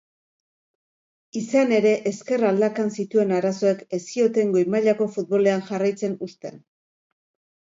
Izan ere, ezker aldakan zituen arazoek ez zioten goi-mailako futbolean jarraitzen uzten.